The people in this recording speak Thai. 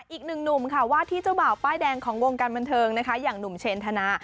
อีก๑หนุ่มวาดที่เจ้าเปล่าป้ายแดงของวงการบรรเทิงอย่างหนุ่มเชนถนะ